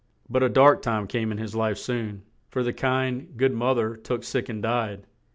But a dark time came in his life soon, for the kind, good moth er took sick and died.